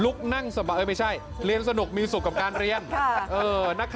อยากจะมอบความสุขให้พอบอนบอกว่าก่อนอันนี้เด็กช่วยเหลือกิจกรรมของโรงเรียนมันหนักหน่วง